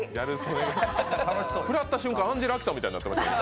くらった瞬間、アンジェラ・アキさんみたいになってた。